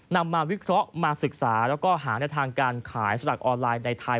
นำมาวิเคราะห์มาศึกษาแล้วก็หาในทางการขายสลักออนไลน์ในไทย